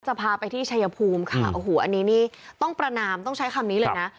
จะพาไปที่ชายภูมิค่ะอันนี้ต้องประนามต้องใช้คำนี้เลยนะ